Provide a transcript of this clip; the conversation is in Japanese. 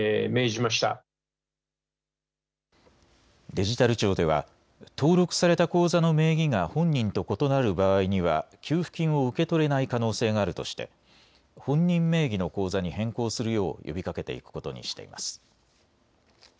デジタル庁では登録された口座の名義が本人と異なる場合には給付金を受け取れない可能性があるとして本人名義の口座に変更するよう呼びかけていくことにしています。